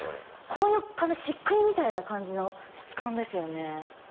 こういう壁漆喰みたいな感じの質感ですよね。